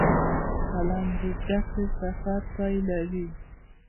قلم د زده کړې سفر پیلوي